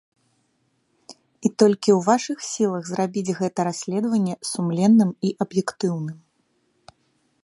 І толькі ў вашых сілах зрабіць гэта расследаванне сумленным і аб'ектыўным.